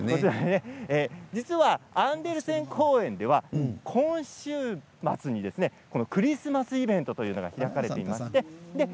実はアンデルセン公園では今週末にクリスマスイベントというのが開かれています。